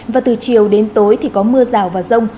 và từ chiều đến tối thì có mưa rào và rông